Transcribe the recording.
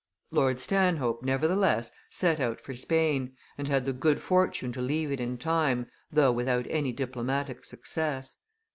Lord Stanhope, nevertheless, set out for Spain, and had the good fortune to leave it in time, though without any diplomatic success.